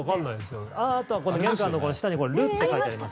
あとはこの玄関の下に「ル」って書いてあります。